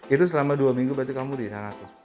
itu selama dua minggu berarti kamu disana tuh